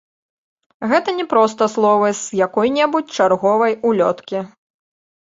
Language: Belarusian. Гэта не проста словы з якой-небудзь чарговай улёткі.